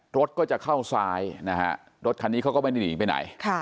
รถก็จะเข้าซ้ายนะฮะรถคันนี้เขาก็ไม่ได้หนีไปไหน